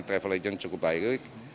travel agent cukup baik